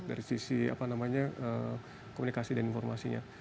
dari sisi apa namanya komunikasi dan informasinya